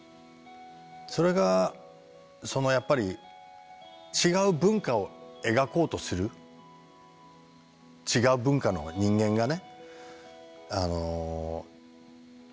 それがやっぱり違う文化を描こうとする違う文化の人間がね